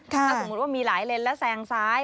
ถ้าสมมุติว่ามีหลายเลนแล้วแซงซ้าย